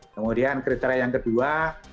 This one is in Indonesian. kemudian kriteria yang kedua